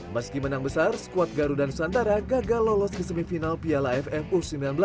meski menang besar skuad garuda nusantara gagal lolos di semifinal piala ff u sembilan belas